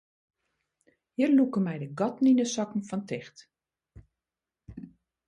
Hjir lûke my de gatten yn de sokken fan ticht.